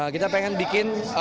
kita pengen bikin